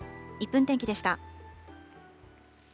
１分天気でした。